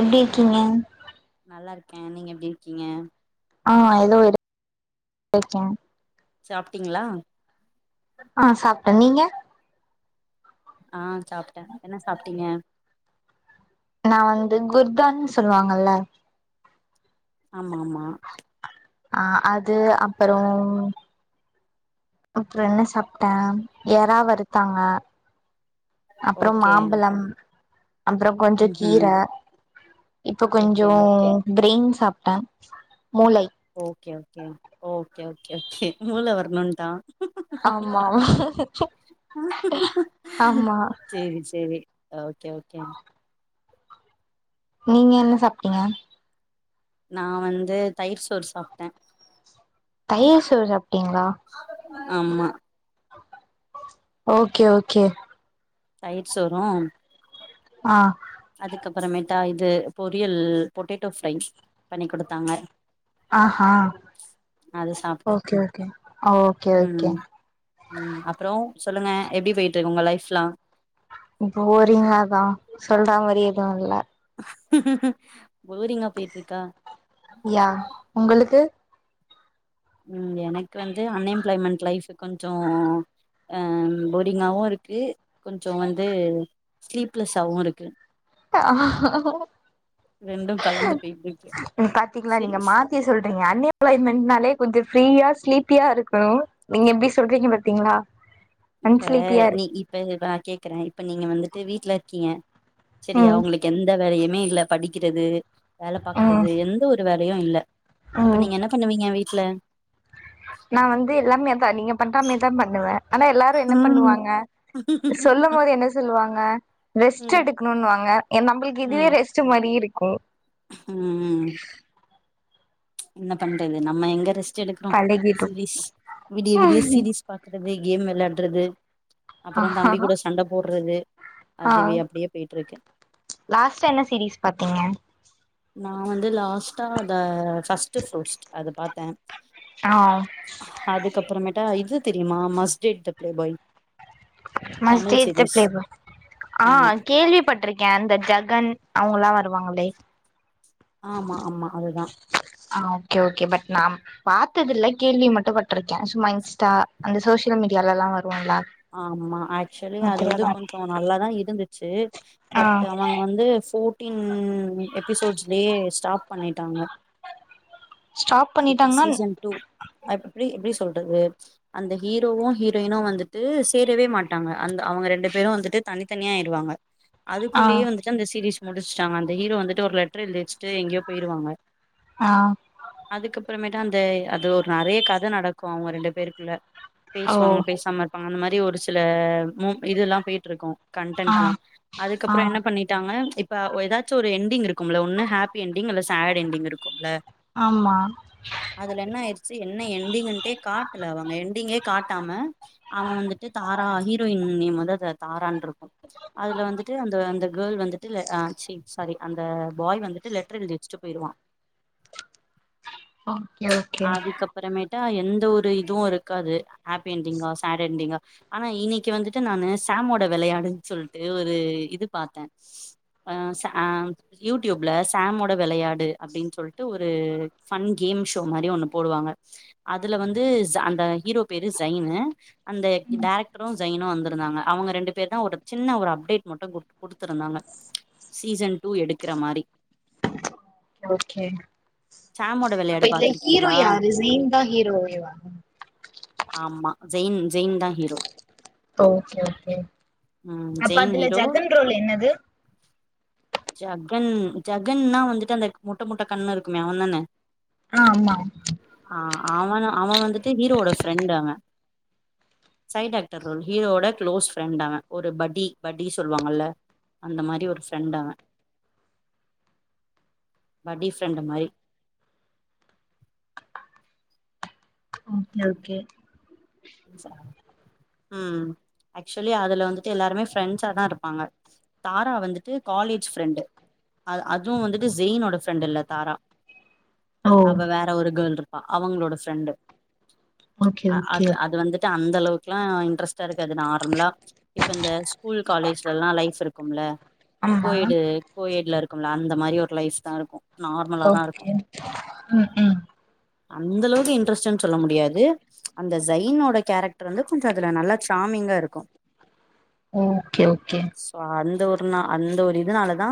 எப்டி இருக்கீங்க நல்லாருக்கேன் நீங்க எப்டி இருக்கீங்க ஆ ஏதோ இருக்கேன் சாப்ட்டீங்களா ஆ சாப்ட்டேன் நீங்க ஆ சாப்ட்டன் என்ன சாப்ட்டீங்க நான் வந்து குர்தான்னு சொல்லுவாங்கல்ல ஆமா ஆமா ஆஹ் அது அப்புறோம் அப்புறோம் என்ன சாப்ட்டன் ஏறா வருத்தாங்க அப்றோம் ஓகே மாம்பழம் அப்புறோம் கொஞ்ஜோ ம் கீர ம் இப்போ ஓகே கொஞ்ஜோம் பிரெயின் சாப்ட்டன் மூளை okay okay okay okay okay மூல வரணு தான் ஆமா ஆமா சேரி சேரி ஓகே ஓகே நீங்க என்ன சாப்ட்டீங்க நா வந்து தயிர் சோறு சாப்ட்டன் தையிர் சோர் சாப்டிங்ளா ஆமா ஓகே ஓகே தயிர் சோறும் ஆ அதுக்கப்புறமேட்டா இது பொரியல் பொட்டேட்டோ ஃப்ரை பண்ணி கொடுத்தாங்க ஆ ஆ அது சாப்ட்டே ஓகே ஓகே ஆ ஓகே ம் ஓகேங்க ம் அப்றோம் சொல்லுங்க எப்டி போயிட்டு இருக்கு உங்க லைஃப்லாம் போரிங்காதான் சொல்ற மாரி எதுவும் இல்ல போரிங்கா போயிட்டு இருக்கா யா உங்களுக்கு ம் எனக்கு வந்து அன்எம்ப்ளாய்மெண்ட் லைஃப் கொஞ்சோ அ போரிங்காவு இருக்கு கொஞ்சோ வந்து ஸ்லீப்லெஸ்ஸாவு இருக்கு ரெண்டு கலந்து போயிட்டு இருக்கு பாத்திங்ளா செரி நீங்க மா த்தி சொல்ட்டீங்க அன்எம்ப்லாய்மெண்ட்னாலே கொஞ்சோ ஃப்ரீயா ஸ்லீப்பியா இருக்கு நீங்க எப்டி சொல்றீங்க பாத்தீங்ளா இப்ப நீ இப்ப நா கேக்குறே இப்ப நீங்க வந்துட்டு வீட்ல இருக்கீங்க செரியா ம் உங்ளுக் எந்த வேலையுமே இல்ல படிக்றது வேலை ம் பாக்றது எந்த ஒரு வேலையு இல்ல அப்ப ம் நீங்க என்ன பண்ணுவீங்க வீட்ல நா வந்து எல்லாமே தா நீங்க பண்றமே தா பண்ணுவே ஆனா எல்லாரு என்ன ம் பண்ணுவாங்க சொல்லும் போது என்ன சொல்லுவாங்க ரெஸ்ட் ம் எடுக்கணுனு வாங்க எ நம்ளுக்கு இதுவே ரெஸ் ட் மாறி இருக்கு ம்ம் என்ன பண்றது நம்ம எங்க ரெஸ்ட் எடுக்றோ பழகிடு சீரிஸ் விடிய விடிய சீரீஸ் பாக்றது கேம் விளாட்றது அப்றோ தம்பி கூட சண்ட போட்றது அதுவே அப்டியே போயிட் இருக்கு லாஸ்ட்டா என்ன சீரீஸ் பாத்தீங்க நா வந்து லாஸ்ட்டா அத ஃபர்ஸ்ட் ஃப்ரூட்ஸ் அத பாத்தே ஆ அதுக் அப்புறமேட்டா இது தெரியுமா must date the playboy must Tamil date the series playboy ஆ ஆமா கேள்வி பட் இருக்கே அந்த ஜெகன் அவங்கல்லா வருவாங்களே ஆமா ஆமா அதுதா ஆ ஓகே ஓகே பட் நா பாத்தது இல்ல கேள்வி மட்டு பட்டு ட்ருக்கே சும்மா இன்ஸ்டா அந்த சோசியல் மீடியாலல்லா வருவோல்லா ஆமா ஆக்சுலி அது வந்து கொஞ்சோ நல்லாதா இருந்துச்சு ஆ பட் அவங் வந்து ஃபோர்டீன் எபிசோட்ஸ்லயே ஸ்டாப் பண்ணிட்டாங்க ஸ்டாப் இப்போ பண்ணிட்டாங்கன்னா சீசன் டூ எப்டி எப்டி சொல்றது அந்த ஹீரோவு ஹீரோயினு வந்துட்டு சேரவே மாட்டாங்க அந்த அவங்க ரெண்டு பேரு வந்துட்டு தனித்தனியா ஆயிடுவாங்க ஆ அதுக்குள்ளயே வந்துட்டு அந்த சீரீஸ் முடிச்ட்டாங்க அந்த ஹீரோ வந்துட்டு ஒரு லெட்டர் எழுதி வச்சுட்டு எங்யோ போயிருவாங்க ஆ அதுக் அப்புறமேட்டு அந்த அது ஒரு நறைய கத நடக்கு அவங்க ரெண்டு பேருக்குள்ள ஓ பேசுவாங்க பேசாம இருப்பாங்க அந்த மாரி ஒரு சில மூ இதுல்லா பேயிட்ருக்கோ ஆ கண்டென்ட்ல்லா ஆ அதுக்கப்றோ என்ன பண்ணி டாங்க இப்ப ஒ ஏதாச்சு ஒரு எண்டிங் இருக்கும்ல ஒன்னு ஹப்பி எண்டிங் இல்ல சட் எண்டிங் இருக்கு ல ஆமா அதுல என்ன ஆயிருச்சு என்ன எண்டிங்ன்டே காட்டல அவங்க எண்டிங்கே காட்டாம அவ வந்துட்டு தாரா ஹீரோயின் நேம் வந்து அத தாரான்ருக்கு அதுல வந்துட்டு அந்த அந்த கேர்ள் வந்துட்டு அ சி சாரி அந்த பாய் வந்துட்டு லெட்டர் எழுதி வச்சிட்டு போயிருவா ஓகே ஓ அதுக் அப்புறமேட்டா எந்த ஒரு இதுவு இருக்காது ஹப்பி எண்டிங்கா சேட் எண்டிங்கா ஆனா இன்னைக்கு வந்துட்டு நானு சம்மோட வெளயாடுன் சொல்ட்டு ஒரு இது பாத்தே அ சம் யூடியூப்ல சம்மோட வெளயாடு அப்படின் சொல்ட்டு ஒரு ஃபன் கேம் ஷோ மாரி ஒன்னு போடுவாங்க அதுல வந்து ஷ் அந்த ஹீரோ பேரு ஷைனு அந்த டைரக்டரு ஷைனு வந்திருந்தாங்க அவங்க ரெண்டு பேர் தா ஒரு சின்ன ஒரு அப்டேட் மட்டு குட் குடுத்துருந்தாங்க சீசன் டூ எடுக்கிற மாரி ஓகே சாமோட அப்ப வெளையாடு இதுல ஹீரோ பாத்திருக்கீங்களா யாரு ஸெய்ன்தா ஹீரோவேவா ஆமா ஜெயின் ஜெயின் தா ஹீரோ ஓகே ஓகே ம் அப்ப ஜெயின் அதுல ஹீரோ ஜகன் ரோல் என்னது ஜகன் ஜகன்னா வந்துட்டு அந்த முட்ட முட்ட கண்ணுருக்குமே அவன்தான ஆ ஆமா ஆ அவன அவ வந்துட்டு ஹீரோட ஃப்ரெண்டு அவ சைட் ஆக்டர் ரோல் ஹீரோவோட க்ளோஸ் ஃப்ரெண்ட் அவ ஒரு பட்டி பட்டி சொல்வாங்கல்ல அந்த மாரி ஒரு ஃப்ரெண்ட் அவ பட்டி ஃப்ரெண்டு மாரி ஓகே ஓகே ம் ஆக்சுவலி அதுல வந்துட்டு எல்லாருமே ஃப்ரெண்ஸாதா இருப்பாங்க தாரா வந்துட்டு காலேஜ் ஃப்ரெண்டு அ அதுவு வந்துட்டு ஜெயினோட ஃப்ரெண்டில்ல தாரா ஓ அவ வேற ஒரு கேள்ருப்பா அவங்களோட ஃப்ரெண்டு ஓகே ஓகே அது அது வந்துட்டு அந்தளவுக்குலா இன்ட்ரெஸ்ட்டா இருக்காது நார்மலா இப்போ இந்த ஸ்கூல் காலேஜ்லலா லைஃப் இருக்கும்ல ஆமா கோயெடு கோயெட்லருக்கும்ல அந்த மாரி ஒரு லைஃப்தா இருக்கு நார்மலாதா ஓகே இருக்கு ம் ம் அந்தளவுக்கு இன்ட்ரெஸ்டுன் சொல்ல முடியாது ஜயினோட கேரக்டர் வந்து கொஞ்சோ அதுல நல்லா சாம்மிங்கா இருக்கு ஓகே ஓகே சோ அந்த ஒரு நா அந்த ஒரு இதுனாலதா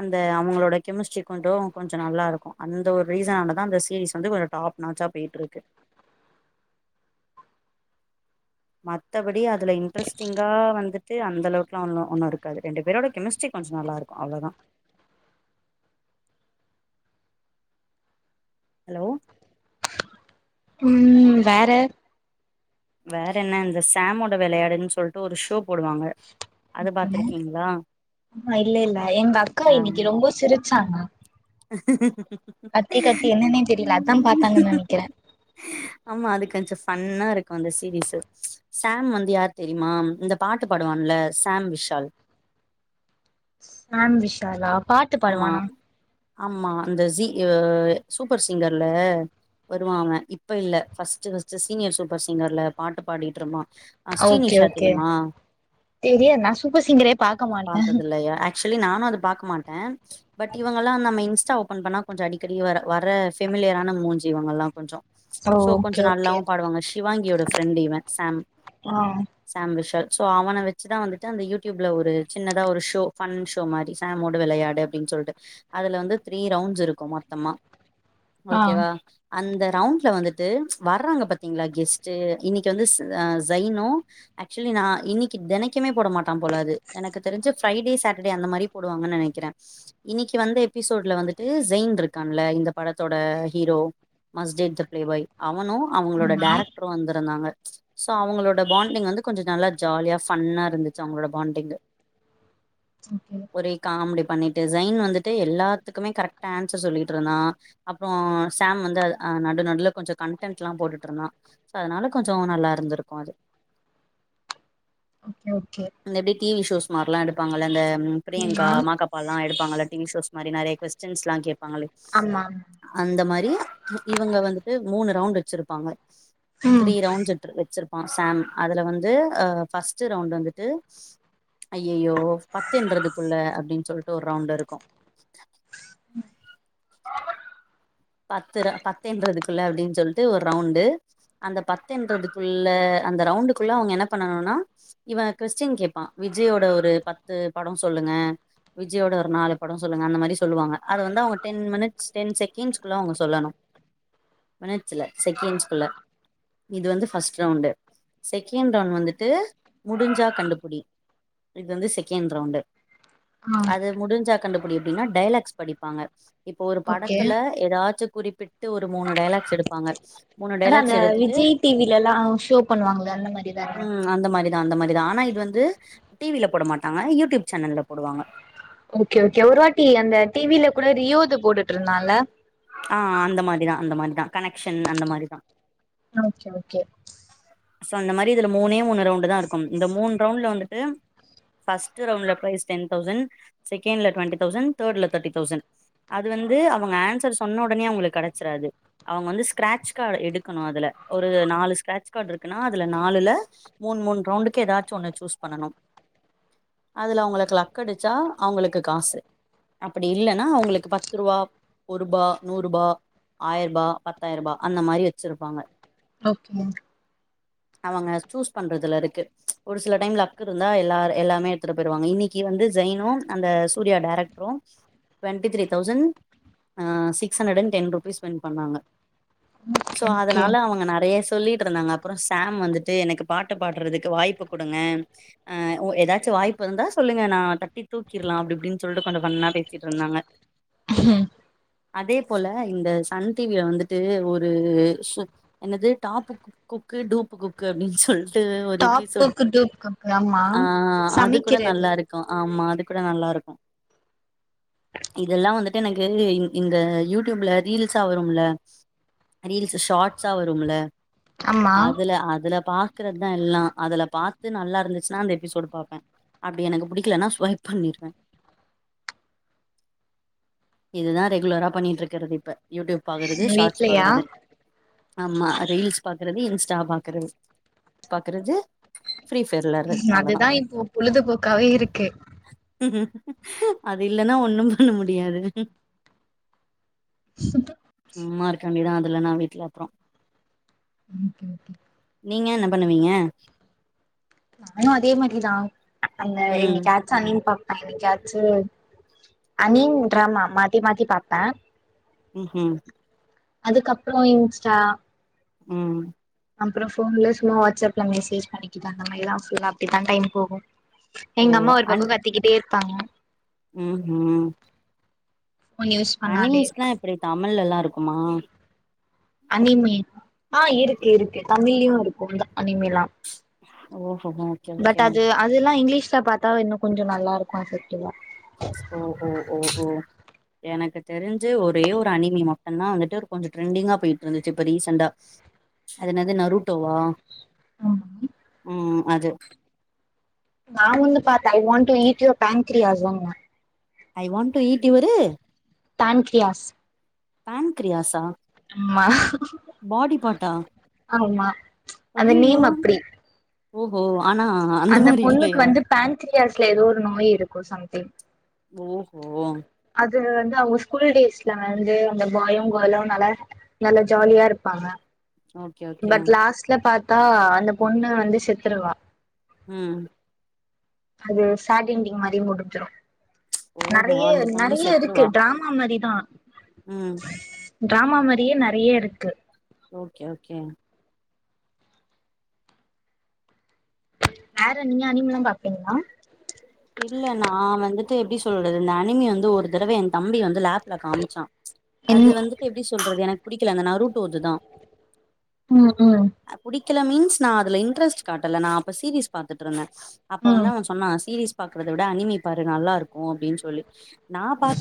அந்த அவுங்களோட கெமிஸ்ட்ரி கொண்டு கொஞ்சோ நல்லாருக்கோ அந்த ஒரு ரீசனாலதா அந்த சீரிஸ் வந்து கொஞ்ச டாப் நாச்சா போயிட்டுருக்கு மத்தபடி அதுல இன்ட்ரெஸ்டிங்கா வந்துட்டு அந்தளவ்குலா ஒன்னு ஒன்னுருக்காது ரெண்டு பேரோட கெமிஸ்ட்ரி கொஞ்சோ நல்லாருக் அவ்ளதா ஹலோ ம் வேற வேற என்ன இந்த சாமோட விளையாடுன் சொல்ட்டு ஒரு ஷோ போடுவாங்க அது பாத்துருக்கீங்களா அ அ இல்ல இல்ல எங்க அக்கா இன்னிக்கு ரொம்போ சிரிச்சாங்க கத்தி கத்தி என்னன்னே தெரில அதா பாத்தாங்கன் நனைக்கிற ஆமா அது கொஞ்சோ ஃபன்னா இருக்கு அந்த சீரீஸு சாம் வந்து யார் தெரிமா இந்த பாட்டு பாடுவான்ல சாம் விஷால் சாம் விஷாலா பாட்டு ஆமா பாடுவானா ஆமா அந்த ஸீ ஆ சூப்பர் சிங்கர்ல வருவா அவே இப்ப இல்ல ஃபஸ்ட்டு ஃபஸ்ட்டு சீனியர் சூப்பர் சிங்கர்ல பாட்டு பாடிட்டுருந்தா ஓகே ஸ்ரீநிஷா ஓகே தெரியுமா தெரியாது நா சூப்பர் சிங்கரே பாக்க மாட்டே பாத்ததில்லயா ஆக்சலி நானு அத பாக்க மாட்டே பட் இவங்கல்லா நம்ம இன்ஸ்டா ஓபன் பண்ணா கொஞ்ச அடிக்கடி வர வர ஃபெமிலியறான மூஞ்சி இவங்கள்லா கொஞ்சோ சோ கொஞ்ச ஓகே ஓகே நல்லாவு பாடுவாங்க ஷிவாங்கியோட ஃப்ரெண்டு இவ சாம் ஆ சாம் விஷால் சோ அவன வெச்சுதா வந்துட்டு அந்த யூடியூப்ல ஒரு சின்னதா ஒரு ஷோ ஃபன்ஷோ மாரி சாமோ டு விளையாடு அப்டின் சொல்ட்டு அதுல வந்து த்ரீ ரவுண்ஸிருக்கு மொத்தமா ஆ ஓகேவா அந்த ரவுண்ட்ல வந்துட்டு வர்றாங்க பாத்தீங்களா கெஸ்ட்டு இன்னிக்கு வந்து ச அ சயினு ஆக்சுலி நா இன்னிக்கு தெனைக்குமே போட மாட் த்தா போல அது எனக்கு தெரிஞ்சு ஃப்ரைடே சாட்டடே அந்த மாரி போடுவாங்கன் நெனை க்கிறே இன்னிக்கி வந்த எபிசோட்ல வந்துட்டு ஜெயின் இருக்கான்ல இந்த படத்தோட hero must date the playboy அவனு அவுங்களோட டேரெக்ட்ரு வந்துருந்தாங்க ஸோ அவுங்களோட பாண்டிங் வந்து கொஞ்சொ நல்லா ஜாலியா ஃபன்னாருந்துச்சு அவுங்களோட பாண்டிங்கு ஓகே ஒரே காம்டி பண்ணிட்டு ஜெய்ன் வந்துட்டு எல்லாத்துக்குமே கரெக்ட்டா ஆன்சர் சொல்லிட்ருந்தா அப்றோ சாம் வந்து அ நடுநடுல கொஞ்சொ கன்டன்ட்லா போட்டுட்ருந்தா ஸோ அதனால கொஞ்சோ நல்லாருந்திருக்கு அது ஓகே ஓகே இந்தப்டி டிவி ஷோஸ் மார்லா எடுப்பாங்கல இந்த நீயா பிரியங்கா மாகாப் பாலா எடுப்பாங்கல டிவி ஷோஸ் மாரி நறைய கொஸ்டின்ஸ்லா கேப்பாங்ளே ஆமா அந்த மாரி இவுங்க வந்துட்டு மூனு ரவுண்டு வச்சிருப்பாங்க ம் த்ரீ ரவுண்ட்ஸ் ட்ரு வச்சிருப்பா சாம் அதுல வந்து அ ஃபஸ்ட்டு ரவுண்ட் வந்துட்டு அய்யய்யோ பத்தெண்றதுக்குள்ள அப்டின் சொல்ட்டு ஒரு ரவுண்ட் இருக்கு பத்துர பத்தென்றதுக்குள்ள அப்டின் சொல்ட்டு ஒர் ரவுண்டு அந்த பத்தென்றதுக்குள்ள அந்த ரவுண்டுக்குள்ள அவுங்க என்ன பண்ணனுனா இவே கொஸ்டின் கேப்பா விஜயோட ஒரு பத்து படோ சொல்லுங்க விஜயோட ஒரு நாலு படோ சொல்லுங்க அந்த மாரி சொல்வாங்க அத வந்து அவுங்க டென் மினிட்ஸ் டென் செக்கெண்ட்ஸ் குள்ள அவுங்க சொல்லனு மினிட்ஸ்ஸில்ல செக்கண்ட்ஸ் குள்ள இது வந்து ஃபர்ஸ்ட் ரவுண்டு செகண்ட் ரவுண்ட் வந்துட்டு முடிஞ்சா கண்டுபுடி இது வந்து செகண்ட் ரவுண்டு ஆ அது முடிஞ்சா கண்டுபுடி அப்டின்னா டைலாக்ஸ் படிப்பாங்க இப்ப ஒரு ஓகே படத்துல எதாச்சு குறிப்பிட்டு ஒரு மூனு டைலாக்ஸ் எடுப்பாங்க மூணு அதா அந்த டைலாக்ஸ் எடுத்துட்டு விஜய் டிவி லலலா ஷோ பண்ணுவாங்ள அந்த மாரிதான ம் அந்த மாரிதா அந்த மாரி தா ஆனா இதுவந்து டிவி ல போட மாட்டாங்க யூடியூப் சேனல் ல போடுவாங்க ஓகே ஓகே ஒரு வாட்டி அந்த டிவி ல கூட ரியோ து போட்டுட்ருந்தால ஆ அந்த மாரிதா அந்த மாரிதா கனக்ஷன் அந்த மாரிதா ஓகே ஓகே ஸோ அந்த மாரி இதுல மூனே மூனு ரவுண்ட் தாருக்கும் இந்த மூன் ரவுண்ட்ல வந்துட்டு ஃப்ர்ஸ்ட்டு ரவுண்ட்ல ப்ரைஸ் டென் தௌசண்ட் செகண்ட்ல ட்வெண்டி தௌசண்ட் தேர்ட்ல தேர்ட்டி தௌசண்ட் அது வந்து அவங்க ஆன்சர் சொன்ன ஒடனே அவுங்களுக்கு கெடச்சுராது அவுங்க வந்து ஸ்கிராட்ச் கார்டு எடுக்கனு அதுல ஒரு நாலு ஸ்கிராட்ச் கார்டு இருக்குன்னா அதுல நாலுல மூன் மூன் ரவுண்டுக்கு எதாச்சு ஒன்னு சூஸ் பண்ணனு அதுல அவுங்களுக்கு லக்கடிச்சா அவுங்களுக்கு காசு அப்டி இல்லனா அவுங்களுக்கு பத்துரூவா ஒருபா நூறுபா ஆயர்பா பத்தாய்ருபா அந்த மாரி வச்சுருப்பாங்க ஓகே அவங்க சூஸ் பண்றதுலருக்கு ஒரு சில டைம் லக்குருந்தா எல்லார் எல்லாமே எட்த்துட்டு போய்ருவாங்க இன்னி க்கி வந்து ஜெய்னு அந்த Surya director twenty three thousand ஆ சிக்ஸ்ஹண்ட்ரடன் டென் ருபீஸ் வின் பண்ணாங்க ஸோ ஓகே ஓகே அதனால அவங்க நறயா சொல்லி ட்ருந்தாங்க அப்றோ சாம் வந்துட்டு எனக்கு பாட்டு பாட்றதுக்கு வாய்ப்பு குடுங்க ஆ எதாச்சு வாய்ப்பிருந்தா சொல்லுங்கணா தட்டி தூக்கிர்லா அப்டி இப்டின் சொல்ட்டு கொஞ்சோ ஃபன்னா பேசிட்ருந்தாங்க ம் அதே போல இந்த சன் டி வில வந்துட்டு ஒரு சு என்னது டாப்பு குக்கு டூப்பு குக்கு அப்டின் சொல் டு ஒரு எப்பிஸோட் டாப்புக்கு டூப்புக்கு ஆமா ஆ அதுகூட சமைக்கிறது நல்லா இருக் கு ஆமா அதுகூட நல்லாருக்கு இதெல்லா வந்துட்டு எனக்கு இந்த யூடியூப்ல ரீல்ஸா வரும்ல ரீல்ஸு ஷாட்ஸா வரும்ல ஆமா அதுல அதுல பாக்குறதுதா எல்லா அதுல பாத்து நல்லா இருந்துச்சுன்னா அந்த எபிசோட் பாப்பே அப்டி எனக்கு புடிக்கலன்னா ஸ்வைப் பண்ணிடுவே இதுதா ரெகுலரா பண்ணிட்ருக்கிறது இப்ப யூடியூப் பாக்குறது ஷாட்ஸ் வீட்லயா பாக்குறது ஆமா ரீல்ஸ் பாக்குறது இன்ஸ்டா பாக்குறது பாக்குறது ஃப்ரீ ஃபயர் வெளா அதுதா இப்போ பொழுது போக்காவே இருக்கு அது இல்லனா ஒன்னும் பண்ண முடியாது சும்மா இருக்க வேண்டிதா அதுல்லனா வீட்ல அப்றோ ம் ஹும் நீங்க என்ன பண்ணுவீங்க நானு அதே மாரிதா அந்த ம் என்னிக்காச்சு அனிம் பாப்பே என்னைக்காச்சு அனிம் ட்ராமா மாத்தி மாத்தி பாப்பே ம் ஹும் அதுக்கப்றோ இன்ஸ்டா ம் அப்றோ ஃபோன்ல சும்மா வாட்ஸ் அப்ல மெசேஜ் பண்ணிக்கிட்டு அந்த மாரிதா ஃபுல்லா அப்டிதா டைம் போகு ஓ எங்க அம்மா ஒரு பக்கோ கத்திக்கிட்டே இருப்பாங்க ம் ஹும் ஃபோன் யூஸ் பண்ணாலே அனிமீஸ்லா எப்டி தமிழ்லலா இருக்குமா அனிமி ஆ இருக்கு இருக்கு தமிழயு இருக்கு அனிமிலா ஓஹோ ஓகே ஓகே அதுல்லா இங்கிலீஷ்ல பாத்தா இன்னு கொஞ்சோ நல்லா இருக்கு எஃபெக்டிவா ஓ ஓ ஓ ஓ எனக்கு தெரிஞ்சு ஒரே ஒரு அனிமி மட்டுதா வந்துட்டு கொஞ்சோ ட்ரெண்டிங்கா போயிட்டு இருந்துச்சு இப்ப ரீசண்டா அது என்னது நருட்டோவா ஆ ம் அது நான் வந்து பாத்தே I want to eat your பேங்க்ரியாஸ்னு I want to eat your pancreas பேன்க்கிரியாசா ஆமா பாடி பார்ட்டா ஆமா அந்த அய்யய்யோ நேம் அப்டி ஓஹோ ஆனா அந்த மாரி பொண்ணுக்கு இல்லையா வந்து பேன்கிரியாஸ்ல எதோ ஒரு நோய் இருக்கு சம்திங் ஓஹோ அது வந்து அவுங்க ஸ்கூல் டேஸ்ல வந்து அந்த பாயு கேளு நாலா நல்லா ஜாலியா இருப்பாங்க ஓகே ஓகே பட் லாஸ்ட்ல பாத்தா அந்தப் பொண்ணு வந்து செத்துருவா ம் அது சேட்டிங்டிங் மாரியு முடிஞ்சிரு ஓஹோ நெறைய அந்த பொண்ணு நெறைய செத்துருவா இருக்கு டிராமா மாரிதா ம் டிராமா மாரியே நெறைய இருக்கு ஓகே ஓகே வேற நீங்க அனிமல்லா பாப்பீங்ளா இல்ல நா வந்துட்டு எப்டி சொல்றது இந்த அனிமி வந்து ஒரு தடவ என் தம்பி வந்து லேப் ல காம்ச்சா அது வந்துட்டு எப்டி சொல்றது எனக்கு புடிக்கல அந்த நருட்டோது தா ம் ம் புடிக்கல மீன்ஸ் நா அதுல இன்ட்ரெஸ்ட் காட்டல நா அப்ப சீரீஸ் பாத்துட்டு இருந்த அப்ப ம் வந்து அவ அம்மா சீரீஸ் பாக்கறத விட அனிமி பாரு நல்லா இருக்கோ அப்டின்னு சொல்லி நா பாக்கற